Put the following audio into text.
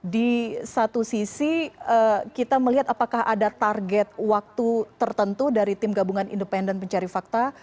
di satu sisi kita melihat apakah ada target waktu tertentu dari tim gabungan independen pencari fakta